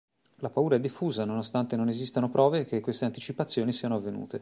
La paura è diffusa nonostante non esistano prove che queste anticipazioni siano avvenute.